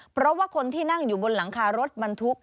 เพราะว่าคนที่นั่งอยู่บนหลังคารถบรรทุก